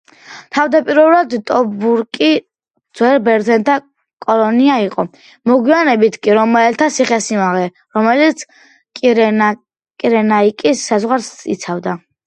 თავდაპირველად ტობრუკი ძველ ბერძენთა კოლონია იყო, მოგვიანებით კი რომაელთა ციხესიმაგრე, რომელიც კირენაიკის საზღვარს იცავდა.